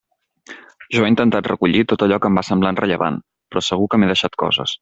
Jo he intentat recollir tot allò que em va semblant rellevant, però segur que m'he deixat coses.